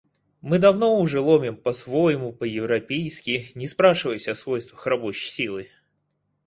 Мы давно уже ломим по-своему, по-европейски, не спрашиваясь о свойствах рабочей силы.